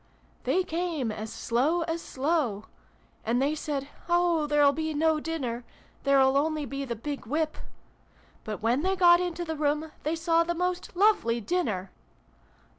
" they came as slow as slow ! And they said ' Oh ! There'll be no dinner ! There'll only be the big whip !' But, when they got into the room, they saw the most lovely dinner